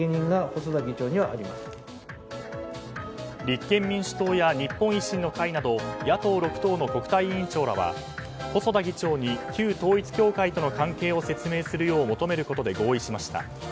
立憲民主党や日本維新の会など野党６党の国対委員長らは細田議長に旧統一教会との関係を説明するよう求めることで合意しました。